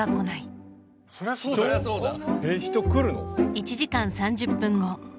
１時間３０分後。